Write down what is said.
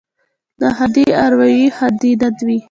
ـ ناښادې ارواوې ښادې نه وي.